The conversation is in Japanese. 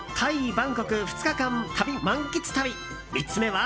・バンコク２日間満喫旅３つ目は。